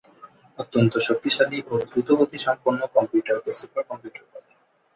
অত্যন্ত শক্তিশালী ও দ্রুতগতিসম্পন্ন কম্পিউটারকে সুপার কম্পিউটার বলে।